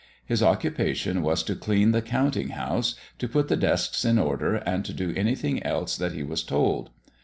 His occupation was to clean the counting house, to put the desks in order, and to do anything else that he was told.